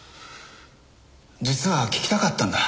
実は聞きたかったんだ。